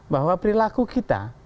bahwa perilaku kita